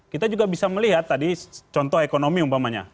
kita juga bisa melihat tadi contoh ekonomi umpamanya